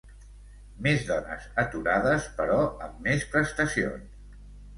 Més dones aturades però amb més prestacions.